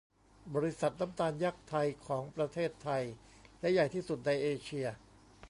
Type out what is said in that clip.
บริษัทน้ำตาลยักษ์ไทยของประเทศไทยและใหญ่ที่สุดในเอเชีย